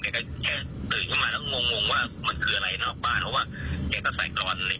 เขาก็เลยแม่ก็เลยไม่รู้แล้วว่าไม่มารับแล้วอะไรอย่างนี้